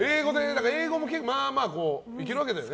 英語もまあまあいけるわけだよね。